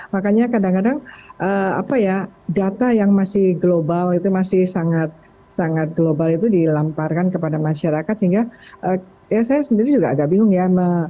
makanya kadang kadang data yang masih global itu masih sangat global itu dilamparkan kepada masyarakat sehingga ya saya sendiri juga agak bingung ya